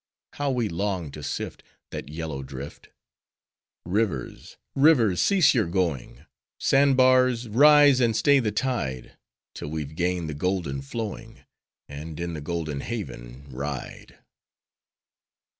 How we long to sift, That yellow drift! Rivers! Rivers! cease your going! Sand bars! rise, and stay the tide! 'Till we've gained the golden flowing; And in the golden haven ride!